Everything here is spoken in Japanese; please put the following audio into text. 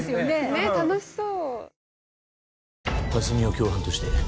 ねえ楽しそう！